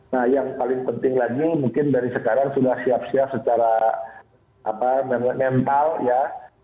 nah yang paling penting lagi mungkin dari sekarang sudah siap siap secara mental ya